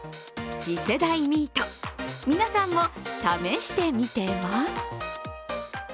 次世代ミート、皆さんも試してみては？